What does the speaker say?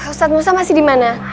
ustaz musa masih dimana